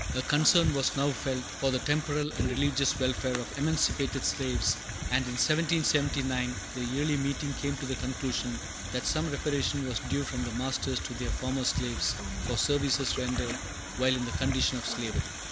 A concern was now felt for the temporal and religious welfare of the emancipated slaves, and in 1779 the Yearly Meeting came to the conclusion that some reparation was due from the masters to their former slaves for services rendered while in the condition of slavery.